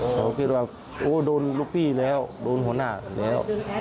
เขาคิดว่าโอ้โดนลูกพี่แล้วโดนหัวหน้าแล้ว